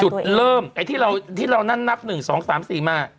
จุดเริ่มไอ้ที่เรานั่นนับ๑๒๓๔มา